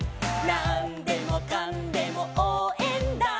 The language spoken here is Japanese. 「なんでもかんでもおうえんだ！！」